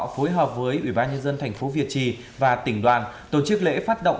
phối hợp với ủy ban nhân dân tp việt trì và tỉnh đoàn tổ chức lễ phát động